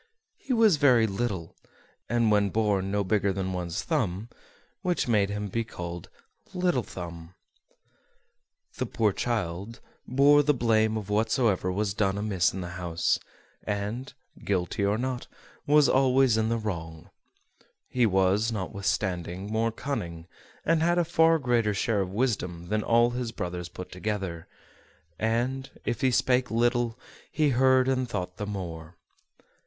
He was very little, and when born no bigger than one's thumb, which made him be called Little Thumb. The poor child bore the blame of whatsoever was done amiss in the house, and, guilty or not, was always in the wrong; he was, notwithstanding, more cunning and had a far greater share of wisdom than all his brothers put together; and, if he spake little, he heard and thought the more.